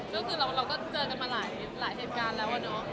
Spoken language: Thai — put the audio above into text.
ก็คือเราก็เจอกันมาหลายเหตุการณ์แล้วอะเนาะ